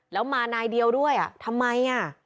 แล้วมานายเดียวด้วยทำไม